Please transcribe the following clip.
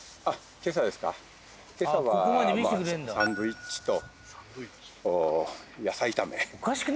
今朝はサンドイッチと野菜炒めおかしくね？